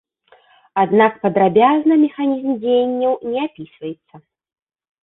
Аднак падрабязна механізм дзеянняў не апісваецца.